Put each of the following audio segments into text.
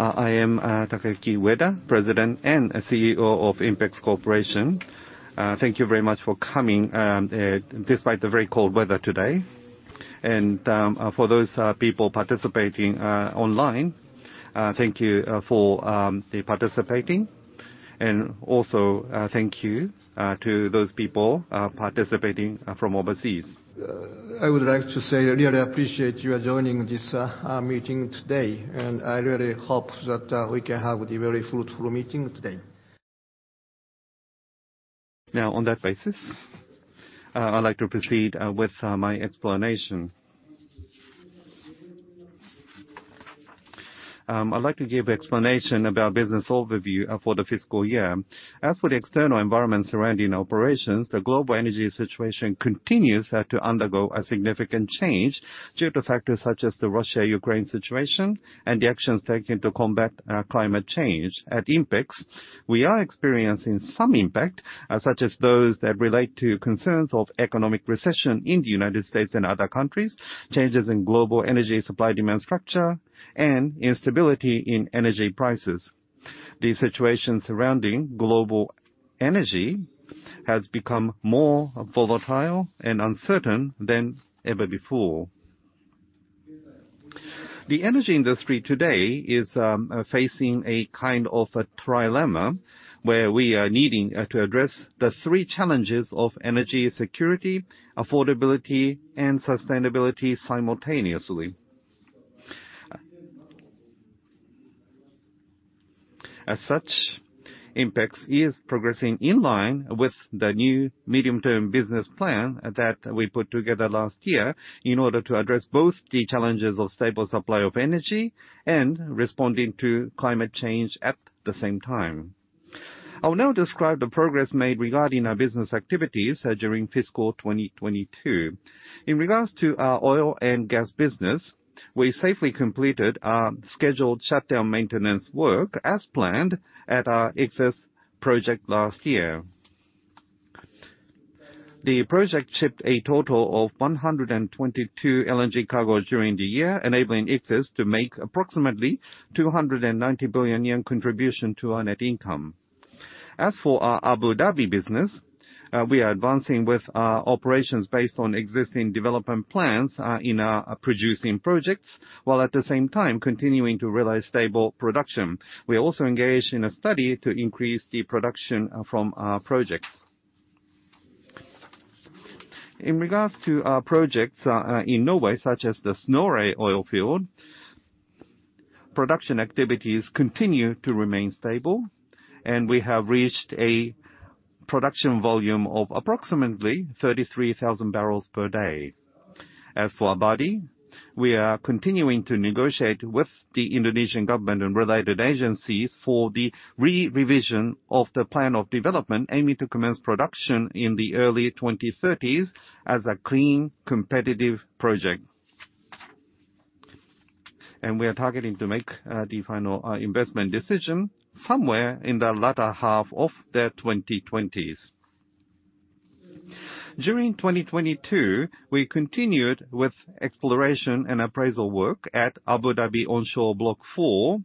I am Takayuki Ueda, President and CEO of INPEX Corporation. Thank you very much for coming despite the very cold weather today. For those people participating online, thank you for the participating. Also, thank you to those people participating from overseas. I would like to say I really appreciate you joining this meeting today, and I really hope that we can have a very fruitful meeting today. Now on that basis, I'd like to proceed with my explanation. I'd like to give explanation about business overview for the fiscal year. As for the external environment surrounding operations, the global energy situation continues to undergo a significant change due to factors such as the Russia/Ukraine situation and the actions taken to combat climate change. At INPEX, we are experiencing some impact, such as those that relate to concerns of economic recession in the United States and other countries, changes in global energy supply-demand structure, and instability in energy prices. The situation surrounding global energy has become more volatile and uncertain than ever before. The energy industry today is facing a kind of a trilemma, where we are needing to address the three challenges of energy security, affordability, and sustainability simultaneously. Such, INPEX is progressing in line with the new medium-term business plan that we put together last year in order to address both the challenges of stable supply of energy and responding to climate change at the same time. I will now describe the progress made regarding our business activities during fiscal 2022. In regards to our oil and gas business, we safely completed our scheduled shutdown maintenance work as planned at our Ichthys project last year. The project shipped a total of 122 LNG cargo during the year, enabling Ichthys to make approximately 290 billion yen contribution to our net income. As for our Abu Dhabi business, we are advancing with operations based on existing development plans in our producing projects, while at the same time continuing to realize stable production. We also engaged in a study to increase the production from our projects. In regards to our projects in Norway, such as the Snorre oil field, production activities continue to remain stable, and we have reached a production volume of approximately 33,000 barrels per day. As for Abadi, we are continuing to negotiate with the Indonesian government and related agencies for the re-revision of the plan of development, aiming to commence production in the early 2030s as a clean, competitive project. We are targeting to make the final investment decision somewhere in the latter half of the 2020s. During 2022, we continued with exploration and appraisal work at Abu Dhabi onshore Block IV,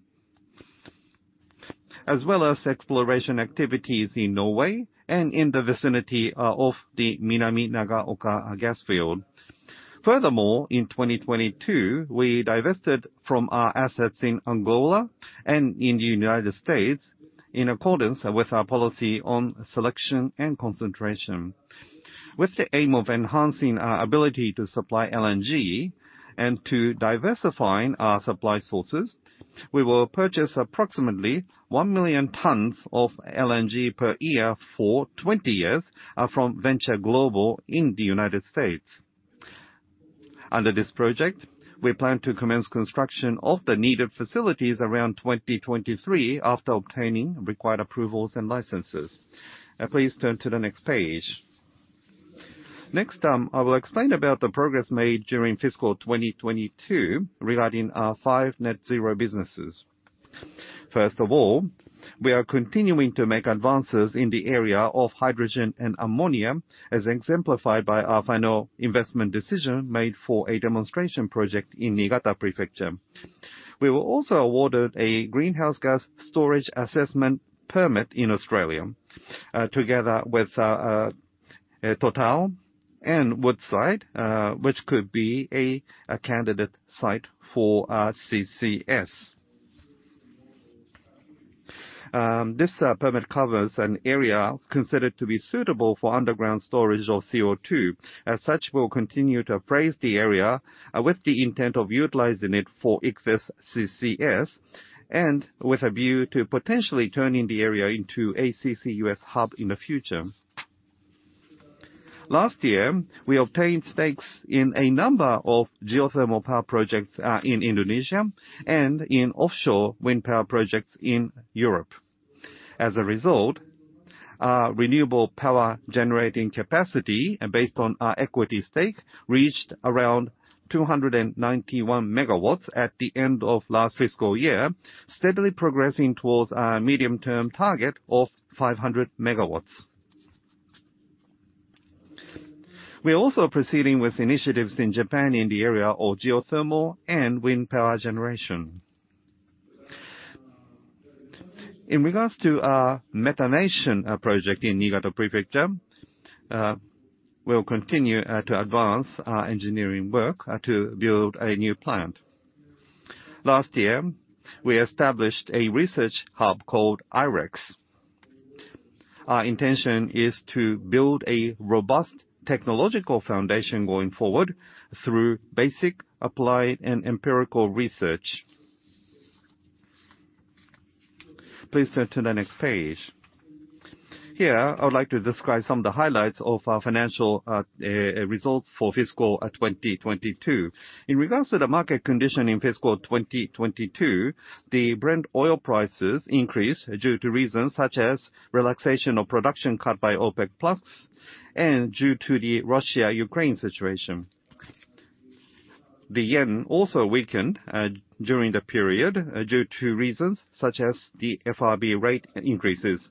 as well as exploration activities in Norway and in the vicinity of the Minami Nagaoka gas field. In 2022, we divested from our assets in Angola and in the United States in accordance with our policy on selection and concentration. With the aim of enhancing our ability to supply LNG and to diversifying our supply sources, we will purchase approximately 1 million tons of LNG per year for 20 years from Venture Global in the United States. Under this project, we plan to commence construction of the needed facilities around 2023 after obtaining required approvals and licenses. Please turn to the next page. Next, I will explain about the progress made during fiscal 2022 regarding our five net zero businesses. First of all, we are continuing to make advances in the area of hydrogen and ammonia, as exemplified by our final investment decision made for a demonstration project in Niigata Prefecture. We were also awarded a greenhouse gas storage assessment permit in Australia, together with Total and Woodside, which could be a candidate site for CCS. This permit covers an area considered to be suitable for underground storage of CO2. And such We'll continue to appraise the area with the intent of utilizing it for Ichthys CCS and with a view to potentially turning the area into a CCUS hub in the future. Last year, we obtained stakes in a number of geothermal power projects in Indonesia and in offshore wind power projects in Europe. Our renewable power generating capacity based on our equity stake reached around 291 MW at the end of last fiscal year, steadily progressing towards our medium-term target of 500 MW wind power generation. In regards to our methanation project in Niigata Prefecture, we'll continue to advance our engineering work to build a new plant. Last year, we established a research hub called I-RHEX. Our intention is to build a robust technological foundation going forward through basic applied and empirical research. Please turn to the next page. Here, I would like to describe some of the highlights of our financial results for fiscal 2022. In regards to the market condition in fiscal 2022, the Brent oil prices increased due to reasons such as relaxation of production cut by OPEC+ and due to the Russia/Ukraine situation. The yen also weakened during the period due to reasons such as the FRB rate increases.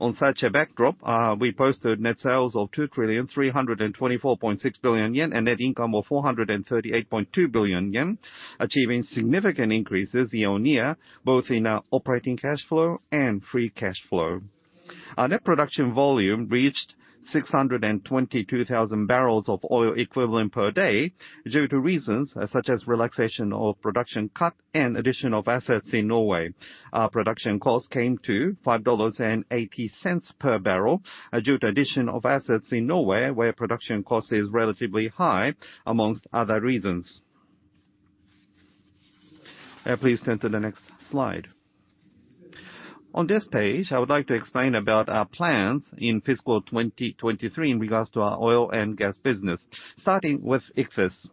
On such a backdrop, we posted net sales of 2,324.6 billion yen, and net income of 438.2 billion yen, achieving significant increases year-on-year, both in operating cash flow and free cash flow. Our net production volume reached 622,000 BOED due to reasons such as relaxation of production cut and addition of assets in Norway. Our production cost came to $5.80 per barrel due to addition of assets in Norway, where production cost is relatively high, amongst other reasons. Please turn to the next slide. On this page, I would like to explain about our plans in fiscal 2023 in regards to our oil and gas business, starting with Ichthys.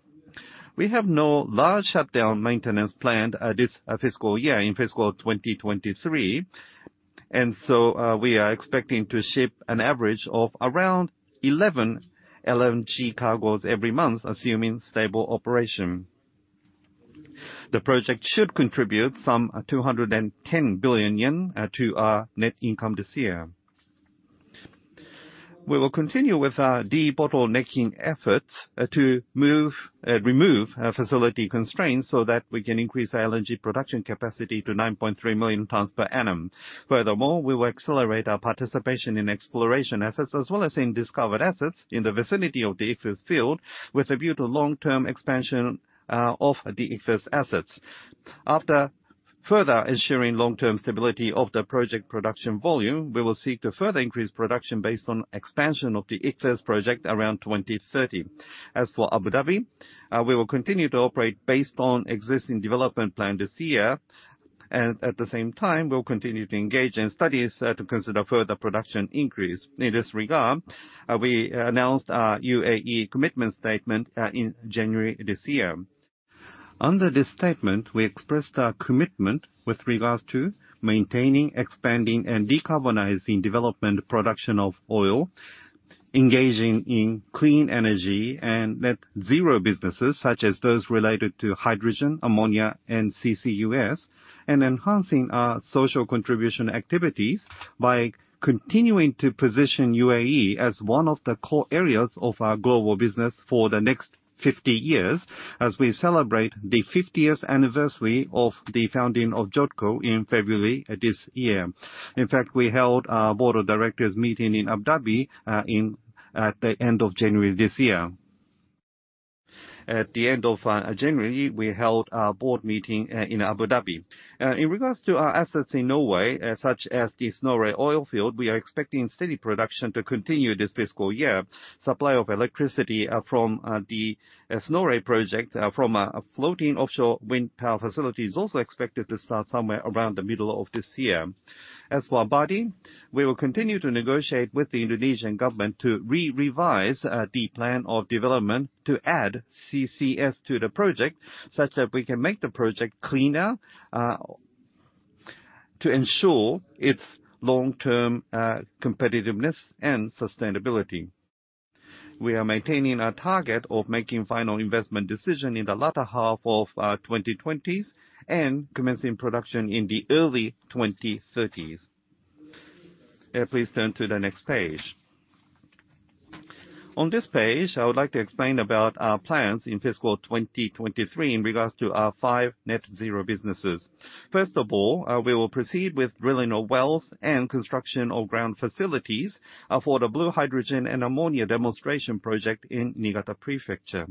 We have no large shutdown maintenance planned this fiscal year in fiscal 2023. And so we are expecting to ship an average of around 11 LNG cargos every month, assuming stable operation. The project should contribute some 210 billion yen to our net income this year. We will continue with our debottlenecking efforts to remove facility constraints so that we can increase our LNG production capacity to 9.3 million tons per annum. Furthermore, we will accelerate our participation in exploration assets, as well as in discovered assets in the vicinity of the Ichthys field with a view to long-term expansion of the Ichthys assets. After further ensuring long-term stability of the project production volume, we will seek to further increase production based on expansion of the Ichthys project around 2030. As for Abu Dhabi, we will continue to operate based on existing development plan this year. At the same time, we'll continue to engage in studies to consider further production increase. In this regard, we announced our UAE Commitment Statement in January this year. Under this statement, we expressed our commitment with regards to maintaining, expanding, and decarbonizing development production of oil, engaging in clean energy and net zero businesses such as those related to hydrogen, ammonia, and CCUS, and enhancing our social contribution activities by continuing to position UAE as one of the core areas of our global business for the next 50 years, as we celebrate the 50th anniversary of the founding of JODCO in February this year. We held our board of directors meeting in Abu Dhabi at the end of January this year. At the end of January, we held our board meeting in Abu Dhabi. In regards to our assets in Norway, such as the Snorre oil field, we are expecting steady production to continue this fiscal year. Supply of electricity from the Snorre project, from a floating offshore wind power facility is also expected to start somewhere around the middle of this year. As for Abadi, we will continue to negotiate with the Indonesian government to re-revise the plan of development to add CCS to the project, such that we can make the project cleaner to ensure its long-term competitiveness and sustainability. We are maintaining a target of making final investment decision in the latter half of 2020s and commencing production in the early 2030s. Please turn to the next page. On this page, I would like to explain about our plans in fiscal 2023 in regards to our five net zero businesses. First of all, we will proceed with drilling of wells and construction of ground facilities for the blue hydrogen and ammonia demonstration project in Niigata Prefecture.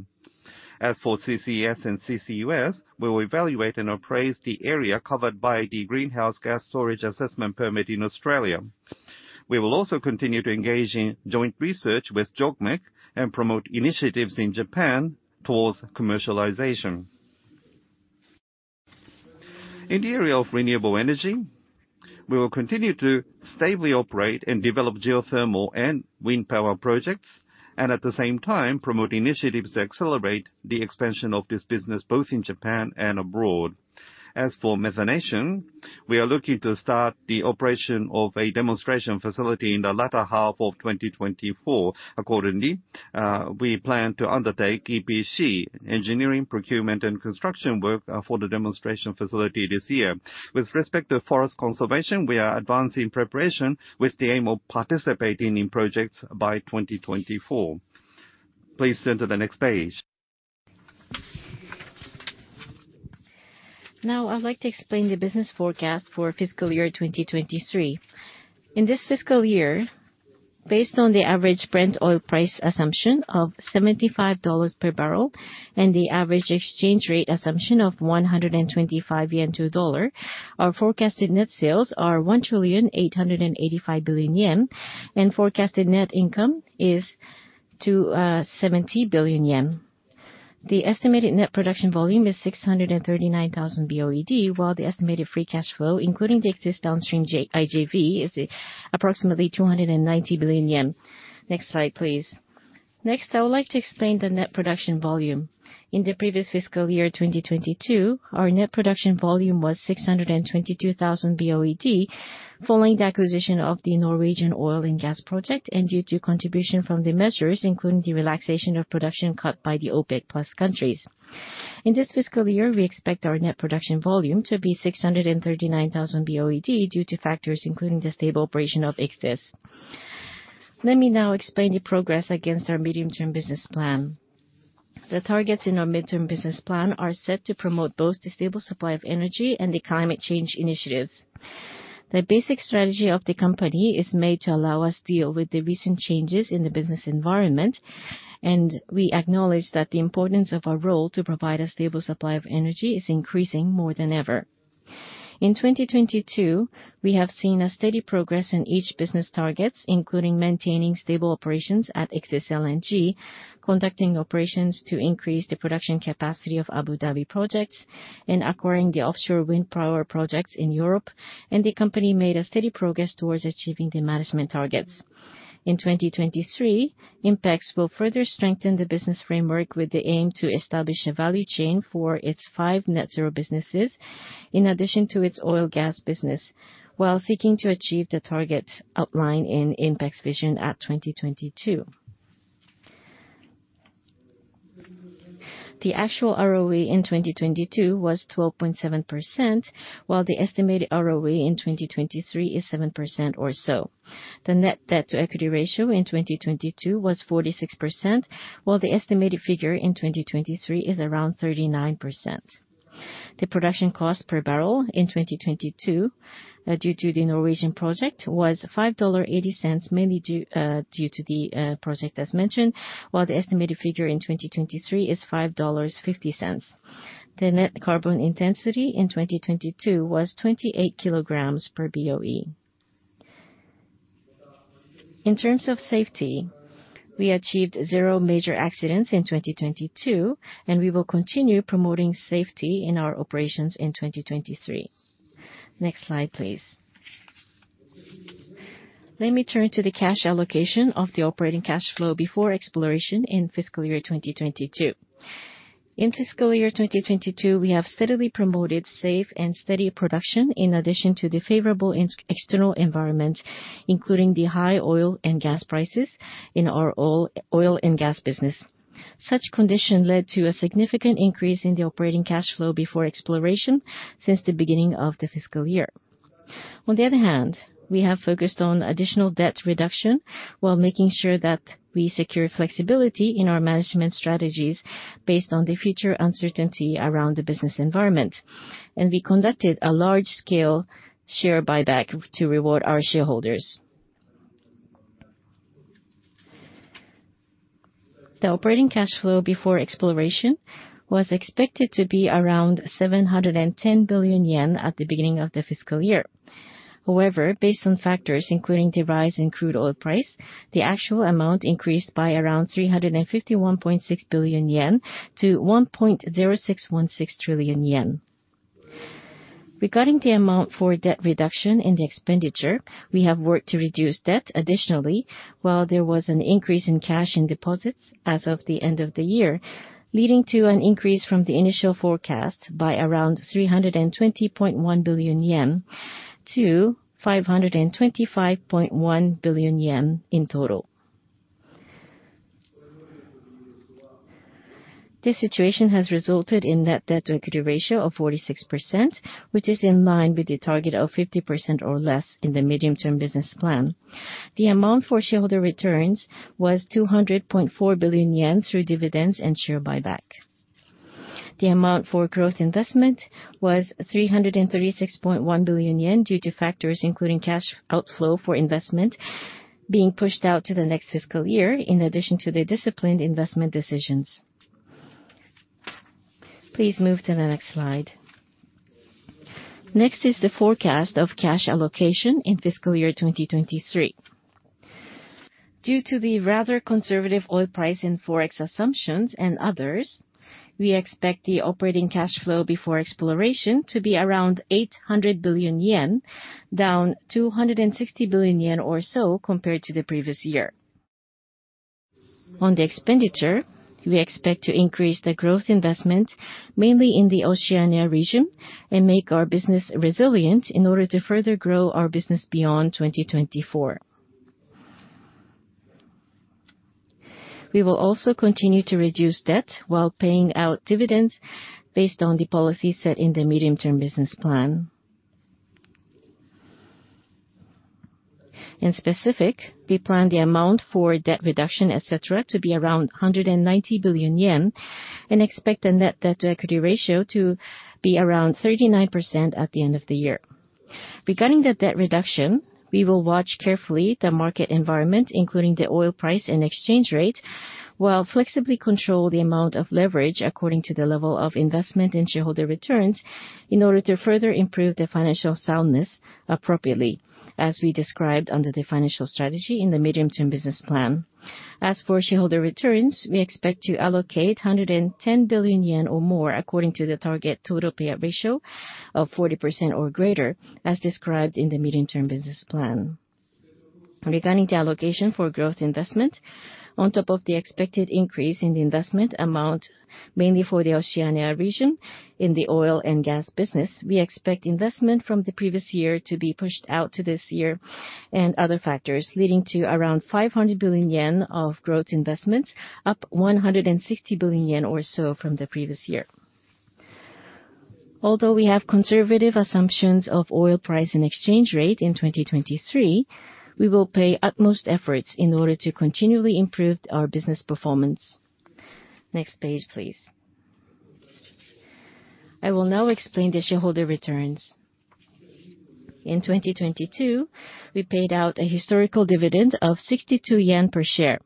As for CCS and CCUS, we will evaluate and appraise the area covered by the greenhouse gas storage assessment permit in Australia. We will also continue to engage in joint research with JOGMEC and promote initiatives in Japan towards commercialization. In the area of renewable energy, we will continue to stably operate and develop geothermal and wind power projects and at the same time, promote initiatives to accelerate the expansion of this business both in Japan and abroad. As for methanation, we are looking to start the operation of a demonstration facility in the latter half of 2024. Accordingly, we plan to undertake EPC, engineering, procurement, and construction work for the demonstration facility this year. With respect to forest conservation, we are advancing preparation with the aim of participating in projects by 2024. Please turn to the next page. I'd like to explain the business forecast for fiscal year 2023. In this fiscal year, based on the average Brent oil price assumption of $75 per barrel and the average exchange rate assumption of 125 yen to a USD, our forecasted net sales are 1,885 billion yen, and forecasted net income is to 70 billion yen. The estimated net production volume is 639,000 BOED, while the estimated free cash flow, including the excess downstream IJV, is approximately 290 billion yen. Next slide, please. I would like to explain the net production volume. In the previous fiscal year, 2022, our net production volume was 622,000 BOED following the acquisition of the Norwegian oil and gas project and due to contribution from the measures, including the relaxation of production cut by the OPEC+ countries. In this fiscal year, we expect our net production volume to be 639,000 BOED due to factors including the stable operation of Ichthys. Let me now explain the progress against our medium-term business plan. The targets in our medium-term business plan are set to promote both the stable supply of energy and the climate change initiatives. We acknowledge that the importance of our role to provide a stable supply of energy is increasing more than ever. In 2022, we have seen a steady progress in each business targets, including maintaining stable operations at Ichthys LNG, conducting operations to increase the production capacity of Abu Dhabi projects, acquiring the offshore wind power projects in Europe, and the company made a steady progress towards achieving the management targets. In 2023, INPEX will further strengthen the business framework with the aim to establish a value chain for its five net zero businesses, in addition to its oil gas business, while seeking to achieve the targets outlined in INPEX Vision at 2022. The actual ROE in 2022 was 12.7%, while the estimated ROE in 2023 is 7% or so. The net debt to equity ratio in 2022 was 46%, while the estimated figure in 2023 is around 39%. The production cost per barrel in 2022, due to the Norwegian project, was $5.80, mainly due to the project as mentioned, while the estimated figure in 2023 is $5.50. The net carbon intensity in 2022 was 28 kg per BOE. In terms of safety, we achieved zero major accidents in 2022. We will continue promoting safety in our operations in 2023. Next slide, please. Let me turn to the cash allocation of the operating cash flow before exploration in fiscal year 2022. In fiscal year 2022, we have steadily promoted safe and steady production, in addition to the favorable external environment, including the high oil and gas prices in our oil and gas business. Such condition led to a significant increase in the operating cash flow before exploration since the beginning of the fiscal year. On the other hands we have focused on additional debt reduction while making sure that we secure flexibility in our management strategies based on the future uncertainty around the business environment. We conducted a large-scale share buyback to reward our shareholders. The operating cash flow before exploration was expected to be around 710 billion yen at the beginning of the fiscal year. However, based on factors including the rise in crude oil price, the actual amount increased by around 351.6 billion yen to 1.0616 trillion yen. Regarding the amount for debt reduction in the expenditure, we have worked to reduce debt additionally, while there was an increase in cash in deposits as of the end of the year, leading to an increase from the initial forecast by around 320.1 billion yen to 525.1 billion yen in total. This situation has resulted in net debt to equity ratio of 46%, which is in line with the target of 50% or less in the medium-term business plan. The amount for shareholder returns was 200.4 billion yen through dividends and share buyback. The amount for growth investment was 336.1 billion yen due to factors including cash outflow for investment being pushed out to the next fiscal year, in addition to the disciplined investment decisions. Please move to the next slide. Next is the forecast of cash allocation in fiscal year 2023. Due to the rather conservative oil price and forex assumptions and others, we expect the operating cash flow before exploration to be around 800 billion yen, down 260 billion yen or so compared to the previous year. On the expenditure, we expect to increase the growth investment mainly in the Oceania region and make our business resilient in order to further grow our business beyond 2024. We will also continue to reduce debt while paying out dividends based on the policy set in the medium-term business plan. In specific, we plan the amount for debt reduction, et cetera, to be around 190 billion yen, and expect the net debt to equity ratio to be around 39% at the end of the year. Regarding the debt reduction, we will watch carefully the market environment, including the oil price and exchange rate, while flexibly control the amount of leverage according to the level of investment and shareholder returns, in order to further improve the financial soundness appropriately, as we described under the financial strategy in the medium-term business plan. As for shareholder returns, we expect to allocate 110 billion yen or more according to the target total payout ratio of 40% or greater, as described in the medium-term business plan. Regarding the allocation for growth investment, on top of the expected increase in the investment amount, mainly for the Oceania region in the oil and gas business, we expect investment from the previous year to be pushed out to this year, and other factors leading to around 500 billion yen of growth investments, up 160 billion yen or so from the previous year. Although we have conservative assumptions of oil price and exchange rate in 2023, we will pay utmost efforts in order to continually improve our business performance. Next page, please. I will now explain the shareholder returns. In 2022, we paid out a historical dividend of 62 yen per share,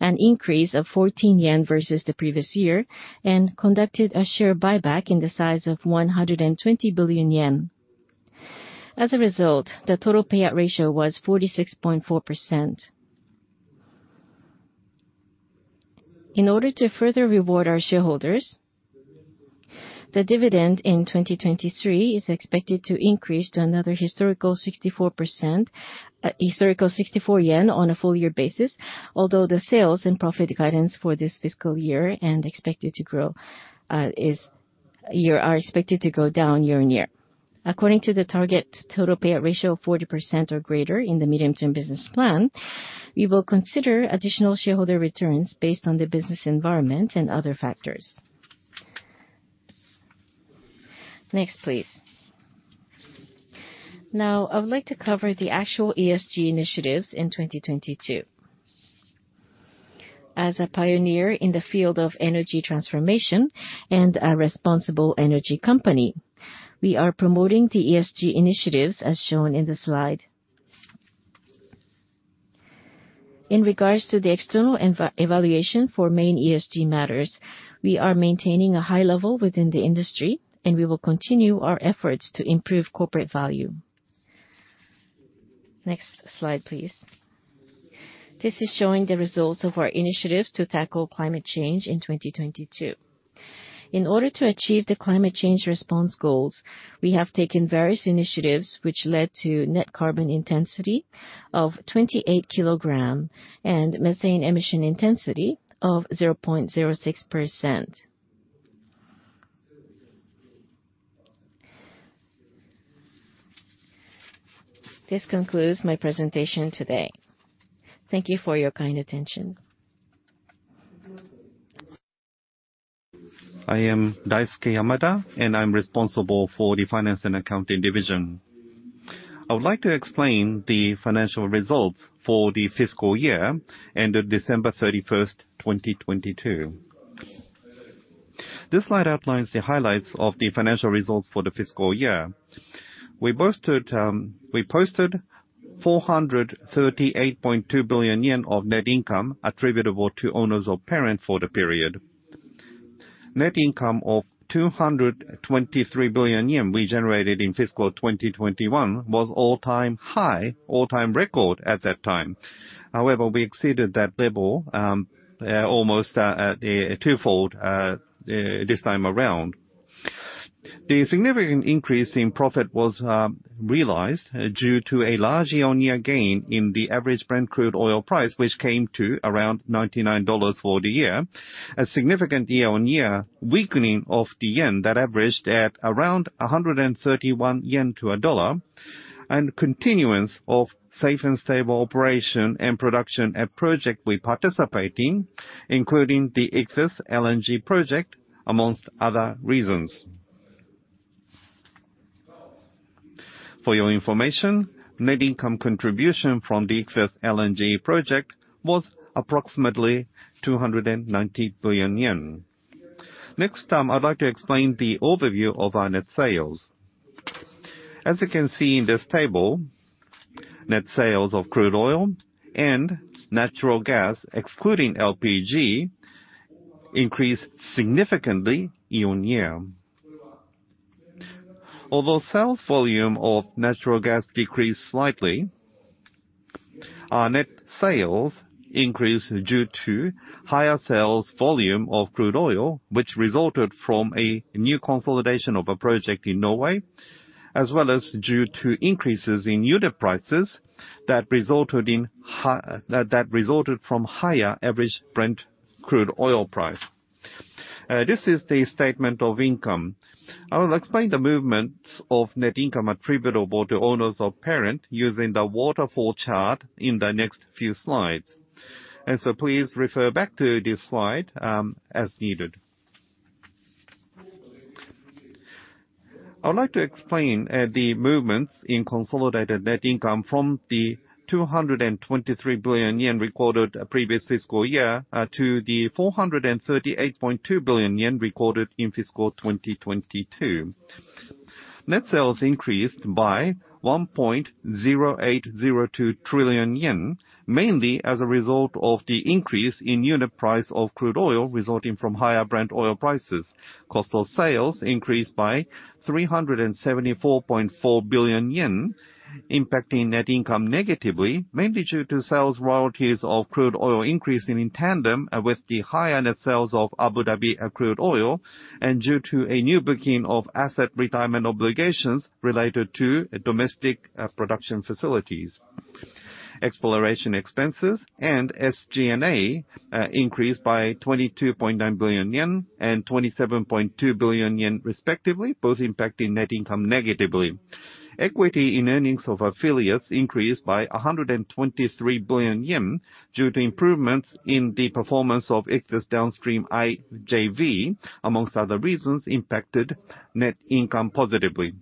an increase of 14 yen versus the previous year, and conducted a share buyback in the size of 120 billion yen. As a result, the total payout ratio was 46.4%. In order to further reward our shareholders, the dividend in 2023 is expected to increase to another historical 64 on a full year basis, although the sales and profit guidance for this fiscal year and expected to grow are expected to go down year-on-year. According to the target total payout ratio of 40% or greater in the medium-term business plan, we will consider additional shareholder returns based on the business environment and other factors. Next, please. Now I would like to cover the actual ESG initiatives in 2022. As a pioneer in the field of energy transformation and a responsible energy company, we are promoting the ESG initiatives as shown in the slide. In regards to the external evaluation for main ESG matters, we are maintaining a high level within the industry. We will continue our efforts to improve corporate value. Next slide, please. This is showing the results of our initiatives to tackle climate change in 2022. In order to achieve the climate change response goals, we have taken various initiatives, which led to net carbon intensity of 28 kilogram and methane emission intensity of 0.06%. This concludes my presentation today. Thank you for your kind attention. I am Daisuke Yamada, and I'm responsible for the Finance and Accounting division. I would like to explain the financial results for the fiscal year ended December 31st, 2022. This slide outlines the highlights of the financial results for the fiscal year. We posted 438.2 billion yen of net income attributable to owners of parent for the period. Net income of 223 billion yen we generated in fiscal 2021 was all-time high, all-time record at that time. We exceeded that level, almost at a twofold this time around. The significant increase in profit was realized due to a large year-on-year gain in the average Brent crude oil price, which came to around $99 for the year. A significant year-on-year weakening of the yen that averaged at around 131 yen to $1, continuance of safe and stable operation and production at project we participate in, including the Ichthys LNG project, amongst other reasons. For your information, net income contribution from the Ichthys LNG project was approximately 290 billion yen. I'd like to explain the overview of our net sales. As you can see in this table, net sales of crude oil and natural gas, excluding LPG, increased significantly year-on-year. Sales volume of natural gas decreased slightly, our net sales increased due to higher sales volume of crude oil, which resulted from a new consolidation of a project in Norway, as well as due to increases in unit prices that resulted from higher average Brent crude oil price. This is the statement of income. I will explain the movements of net income attributable to owners of parent using the waterfall chart in the next few slides. Please refer back to this slide as needed. I would like to explain the movements in consolidated net income from the 223 billion yen recorded previous fiscal year to the 438.2 billion yen recorded in fiscal 2022. Net sales increased by 1.0802 trillion yen, mainly as a result of the increase in unit price of crude oil resulting from higher Brent oil prices. Cost of sales increased by 374.4 billion yen, impacting net income negatively, mainly due to sales royalties of crude oil increasing in tandem with the higher net sales of Abu Dhabi accrued oil and due to a new booking of asset retirement obligations related to domestic production facilities. Exploration expenses and SG&A increased by 22.9 billion yen and 27.2 billion yen respectively, both impacting net income negatively. Equity in earnings of affiliates increased by 123 billion yen due to improvements in the performance of Ichthys Downstream IJV, amongst other reasons impacted net income positively.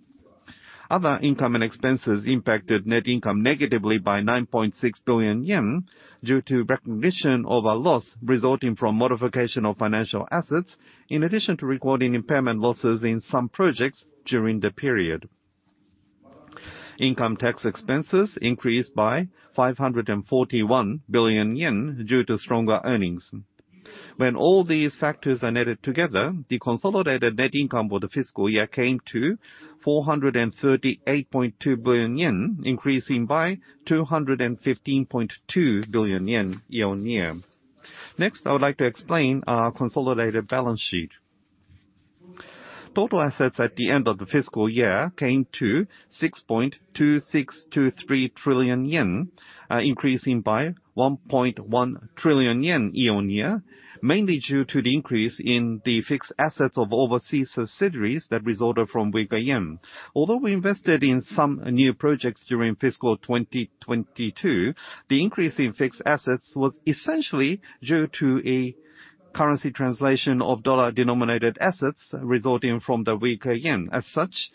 Other income and expenses impacted net income negatively by 9.6 billion yen due to recognition of a loss resulting from modification of financial assets, in addition to recording impairment losses in some projects during the period. Income tax expenses increased by 541 billion yen due to stronger earnings. When all these factors are added together, the consolidated net income for the fiscal year came to 438.2 billion yen, increasing by 215.2 billion yen year-on-year. Next, I would like to explain our consolidated balance sheet. Total assets at the end of the fiscal year came to 6.2623 trillion yen, increasing by 1.1 trillion yen year-on-year, mainly due to the increase in the fixed assets of overseas subsidiaries that resulted from weaker yen. Although we invested in some new projects during fiscal 2022, the increase in fixed assets was essentially due to a currency translation of dollar-denominated assets resulting from the weaker yen. As such,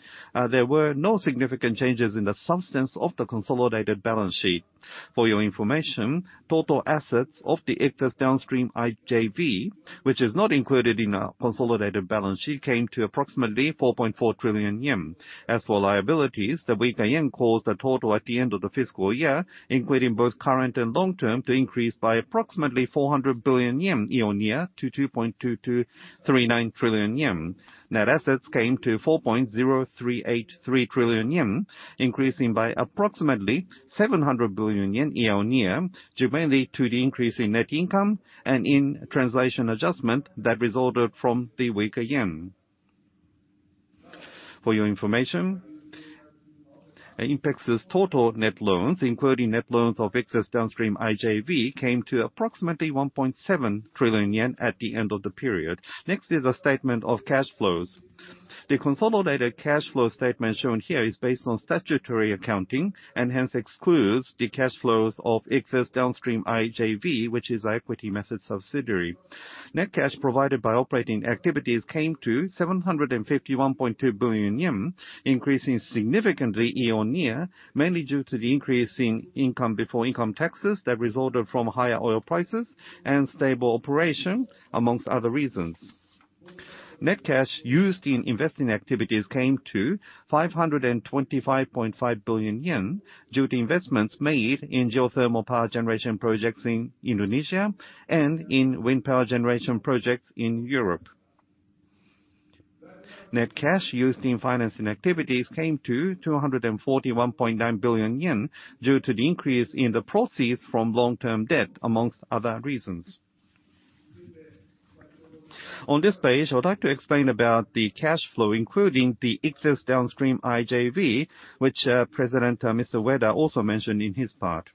there were no significant changes in the substance of the consolidated balance sheet. For your information, total assets of the Ichthys Downstream IJV, which is not included in our consolidated balance sheet, came to approximately 4.4 trillion yen. As for liabilities, the weaker yen caused a total at the end of the fiscal year, including both current and long-term, to increase by approximately 400 billion yen year-on-year to 2.2239 trillion yen. Net assets came to 4.0383 trillion yen, increasing by approximately 700 billion yen year-on-year, due mainly to the increase in net income and in translation adjustment that resulted from the weaker yen. For your information, INPEX's total net loans, including net loans of Ichthys Downstream IJV, came to approximately 1.7 trillion yen at the end of the period. Next is a statement of cash flows. The consolidated cash flow statement shown here is based on statutory accounting and hence excludes the cash flows of Ichthys Downstream IJV, which is our equity method subsidiary. Net cash provided by operating activities came to 751.2 billion yen, increasing significantly year-on-year, mainly due to the increase in income before income taxes that resulted from higher oil prices and stable operation, amongst other reasons. Net cash used in investing activities came to 525.5 billion yen due to investments made in geothermal power generation projects in Indonesia and in wind power generation projects in Europe. Net cash used in financing activities came to 241.9 billion yen due to the increase in the proceeds from long-term debt, amongst other reasons. On this page, I would like to explain about the cash flow, including the Ichthys Downstream IJV, which President Mr. Ueda, also mentioned in his part.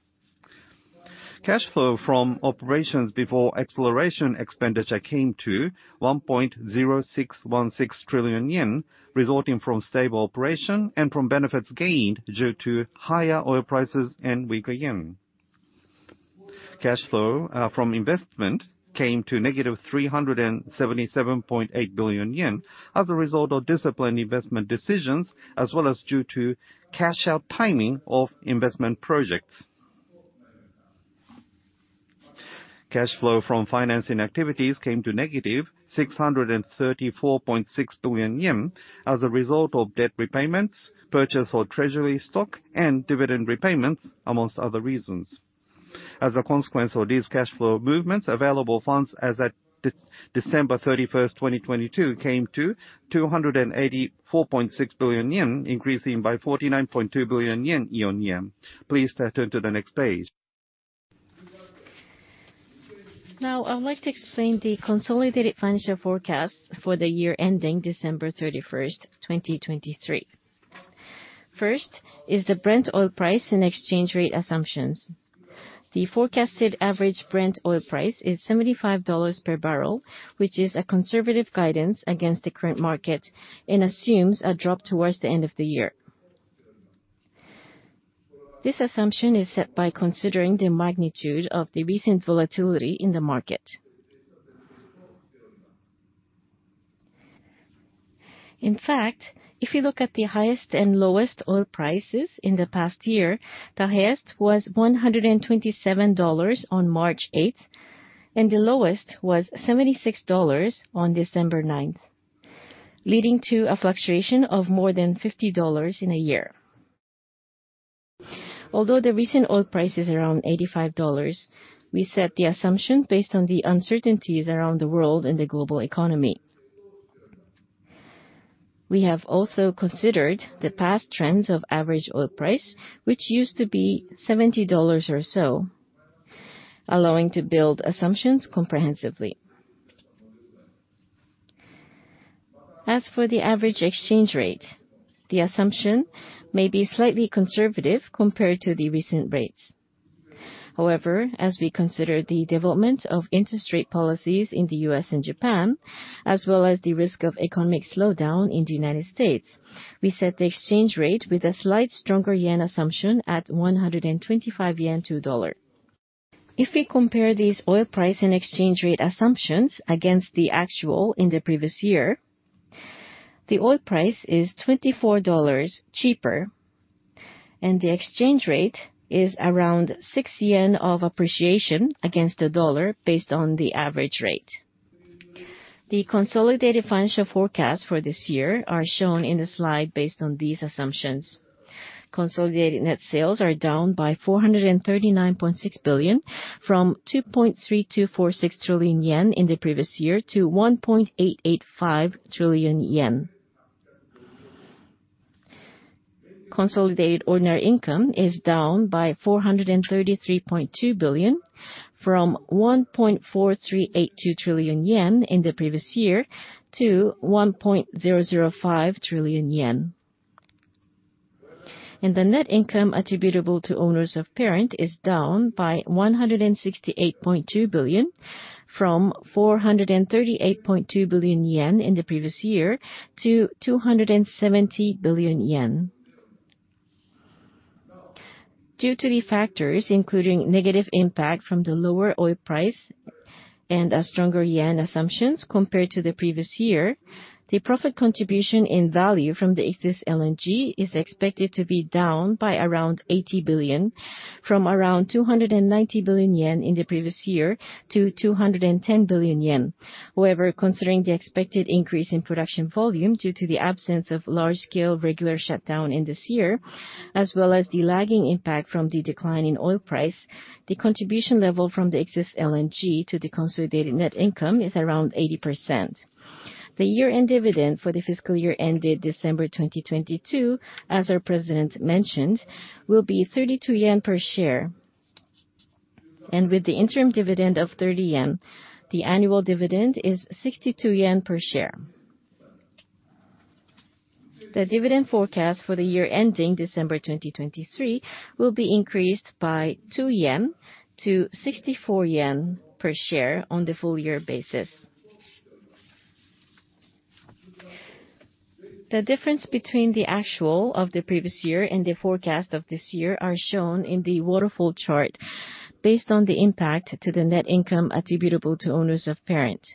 Cash flow from operations before exploration expenditure came to 1.0616 trillion yen, resulting from stable operation and from benefits gained due to higher oil prices and weaker yen. Cash flow from investment came to negative 377.8 billion yen as a result of disciplined investment decisions, as well as due to cash out timing of investment projects. Cash flow from financing activities came to negative 634.6 billion yen as a result of debt repayments, purchase of treasury stock, and dividend repayments, amongst other reasons. As a consequence of these cash flow movements, available funds as at December 31st, 2022 came to 284.6 billion yen, increasing by 49.2 billion yen year-on-year. Please turn to the next page. I would like to explain the consolidated financial forecast for the year ending December 31st, 2023. The Brent oil price and exchange rate assumptions. The forecasted average Brent oil price is $75 per barrel, which is a conservative guidance against the current market and assumes a drop towards the end of the year. This assumption is set by considering the magnitude of the recent volatility in the market. If you look at the highest and lowest oil prices in the past year, the highest was $127 on March 8th, and the lowest was $76 on December 9th, leading to a fluctuation of more than $50 in a year. The recent oil price is around $85, we set the assumption based on the uncertainties around the world and the global economy. We have also considered the past trends of average oil price, which used to be $70 or so, allowing to build assumptions comprehensively. As for the average exchange rate, the assumption may be slightly conservative compared to the recent rates. As we consider the development of interest rate policies in the U.S. and Japan, as well as the risk of economic slowdown in the United States, we set the exchange rate with a slight stronger yen assumption at 125 yen to $1. If we compare these oil price and exchange rate assumptions against the actual in the previous year, the oil price is $24 cheaper, and the exchange rate is around 6 yen of appreciation against the USD based on the average rate. The consolidated financial forecast for this year are shown in the slide based on these assumptions. Consolidated net sales are down by 439.6 billion from 2.3246 trillion yen in the previous year to 1.885 trillion yen. Consolidated ordinary income is down by 433.2 billion from 1.4382 trillion yen in the previous year to 1.005 trillion yen. The net income attributable to owners of parent is down by 168.2 billion from 438.2 billion yen in the previous year to 270 billion yen. Due to the factors including negative impact from the lower oil price and a stronger yen assumptions compared to the previous year, the profit contribution in value from the Ichthys LNG is expected to be down by around 80 billion from around 290 billion yen in the previous year to 210 billion yen. However, considering the expected increase in production volume due to the absence of large-scale regular shutdown in this year, as well as the lagging impact from the decline in oil price, the contribution level from the Ichthys LNG to the consolidated net income is around 80%. The year-end dividend for the fiscal year ended December 2022, as our President mentioned, will be 32 yen per share. With the interim dividend of 30 yen, the annual dividend is 62 yen per share. The dividend forecast for the year ending December 2023 will be increased by 2 yen to 64 yen per share on the full year basis. The difference between the actual of the previous year and the forecast of this year are shown in the waterfall chart based on the impact to the net income attributable to owners of parent.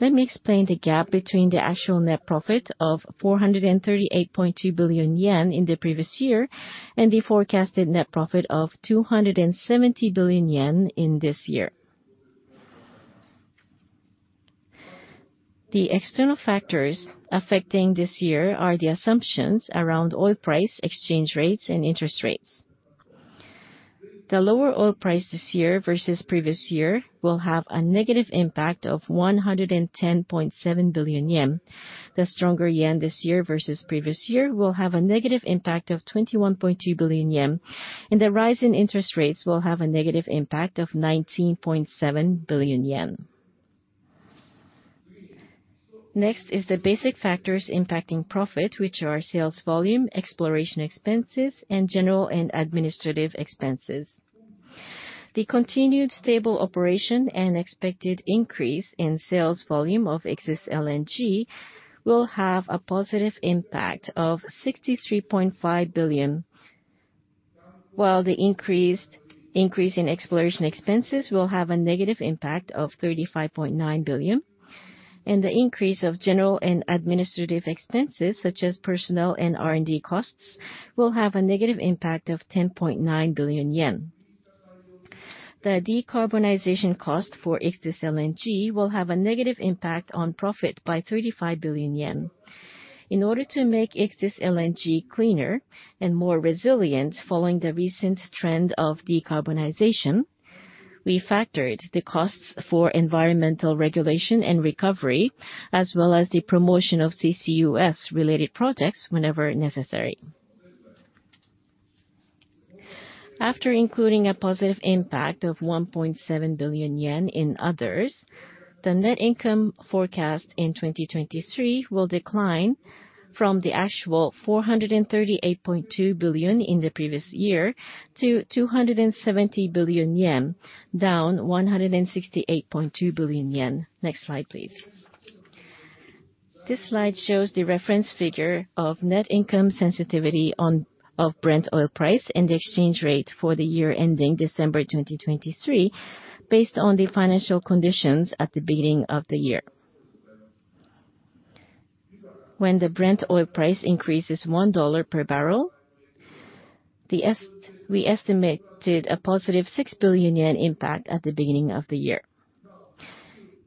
Let me explain the gap between the actual net profit of 438.2 billion yen in the previous year and the forecasted net profit of 270 billion yen in this year. The external factors affecting this year are the assumptions around oil price, exchange rates, and interest rates. The lower oil price this year versus previous year will have a negative impact of 110.7 billion yen. The stronger yen this year versus previous year will have a negative impact of 21.2 billion yen. The rise in interest rates will have a negative impact of 19.7 billion yen. Next is the basic factors impacting profit, which are sales volume, exploration expenses, and general and administrative expenses. The continued stable operation and expected increase in sales volume of Ichthys LNG will have a positive impact of 63.5 billion. While the increase in exploration expenses will have a negative impact of 35.9 billion, and the increase of general and administrative expenses, such as personnel and R&D costs, will have a negative impact of 10.9 billion yen. The decarbonization cost for Ichthys LNG will have a negative impact on profit by 35 billion yen. In order to make Ichthys LNG cleaner and more resilient following the recent trend of decarbonization, we factored the costs for environmental regulation and recovery, as well as the promotion of CCUS-related projects whenever necessary. After including a positive impact of 1.7 billion yen in others, the net income forecast in 2023 will decline from the actual 438.2 billion in the previous year to 270 billion yen, down 168.2 billion yen. Next slide, please. This slide shows the reference figure of net income sensitivity of Brent oil price and the exchange rate for the year ending December 2023, based on the financial conditions at the beginning of the year. When the Brent oil price increases $1 per barrel, we estimated a positive 6 billion yen impact at the beginning of the year.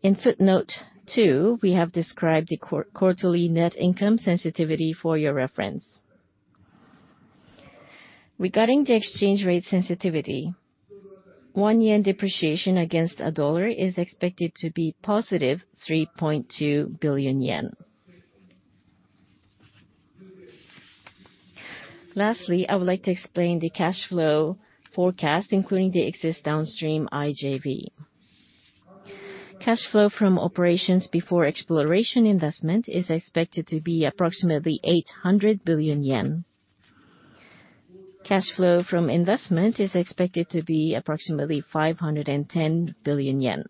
In footnote two, we have described the quarterly net income sensitivity for your reference. Regarding the exchange rate sensitivity, 1 yen depreciation against a dollar is expected to be positive 3.2 billion yen. Lastly, I would like to explain the cash flow forecast, including the Ichthys Downstream IJV. Cash flow from operations before exploration investment is expected to be approximately 800 billion yen. Cash flow from investment is expected to be approximately 510 billion yen.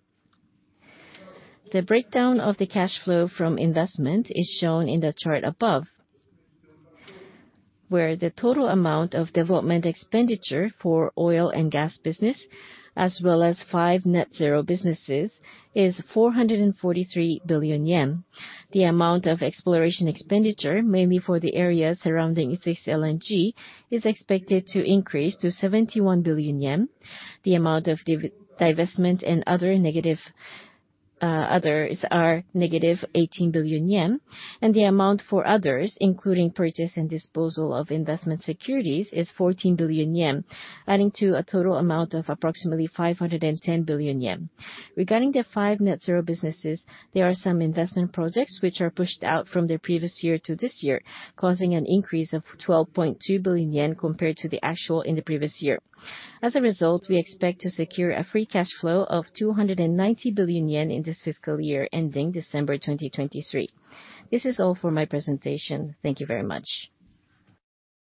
The breakdown of the cash flow from investment is shown in the chart above, where the total amount of development expenditure for oil and gas business, as well as five net zero businesses, is 443 billion yen. The amount of exploration expenditure, mainly for the areas surrounding Ichthys LNG, is expected to increase to 71 billion yen. The amount of divestment and other negative others are negative 18 billion yen. The amount for others, including purchase and disposal of investment securities, is 14 billion yen, adding to a total amount of approximately 510 billion yen. Regarding the five net zero businesses, there are some investment projects which are pushed out from the previous year to this year, causing an increase of 12.2 billion yen compared to the actual in the previous year. As a result, we expect to secure a free cash flow of 290 billion yen in this fiscal year ending December 2023. This is all for my presentation. Thank you very much.